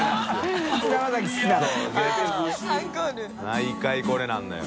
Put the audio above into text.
毎回これなんだよ。）